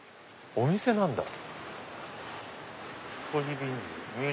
お店なんだ。